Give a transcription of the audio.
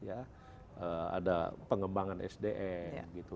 ada pengembangan sdm gitu